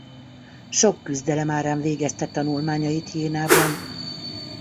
Sok küzdelem árán végezte tanulmányait Jénában.